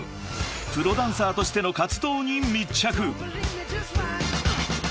［プロダンサーとしての活動に密着］